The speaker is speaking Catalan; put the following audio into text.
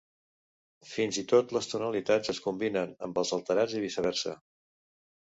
Fins i tot les tonalitats es combinen amb els alterats i viceversa.